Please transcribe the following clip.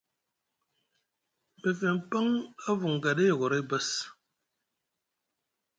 Mefeŋ paŋ a vunga ɗa a yogoray bass.